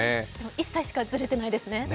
１歳しかずれてないですね